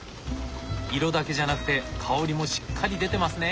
色だけじゃなくて香りもしっかり出てますね。